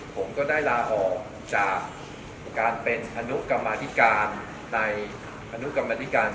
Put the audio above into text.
ผมก็ได้ลาออกจากการเป็นอนุกรรมมาธิการ